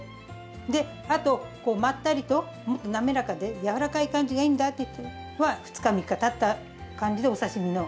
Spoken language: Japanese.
であとまったりと滑らかで柔らかい感じがいいんだって人は２日３日たった感じでお刺身の。